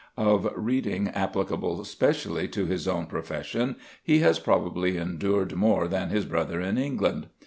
Of reading applicable specially to his own profession he has probably endured more than his brother in England.